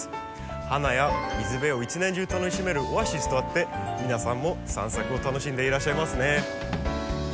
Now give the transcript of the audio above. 花や水辺を一年中楽しめるオアシスとあって皆さんも散策を楽しんでいらっしゃいますね。